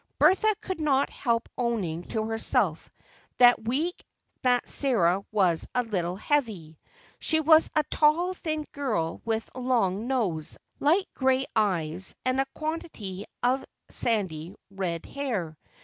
Bertha could not help owning to herself that week that Sarah was a little heavy. She was a tall, thin girl, with a long nose, light gray eyes, and a quantity of sandy red hair.